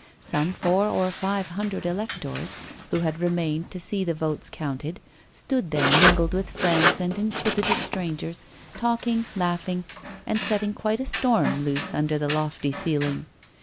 Some four or five hundred electors, who had remained to see the votes counted, stood there, mingled with friends and inquisitive strangers, talking, laughing, and setting quite a storm loose under the lofty ceiling.